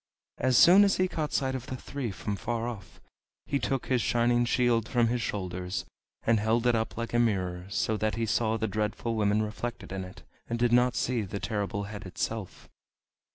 As soon as he caught sight of the three from far off he took his shining shield from his shoulders, and held it up like a mirror, so that he saw the Dreadful Women reflected in it, and did not see the Terrible Head itself.